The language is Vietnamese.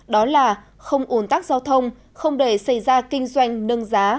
đó là không ủn tắc giao thông không để xảy ra kinh doanh nâng giá